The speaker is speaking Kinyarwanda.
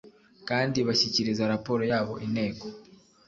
kandi bashyikiriza raporo yabo inteko